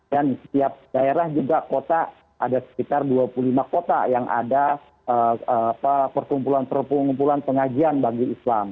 dan setiap daerah juga ada sekitar dua puluh lima kota yang ada perkumpulan perkumpulan pengajian bagi islam